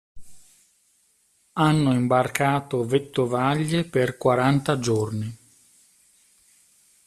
Hanno imbarcato vettovaglie per quaranta giorni.